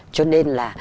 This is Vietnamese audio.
cho nên là